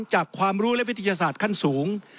จากความรู้และวิทยาศาสตร์ขั้นสูง